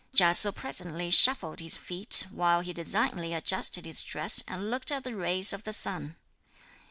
Chia Se presently shuffled his feet, while he designedly adjusted his dress and looked at the rays of the sun.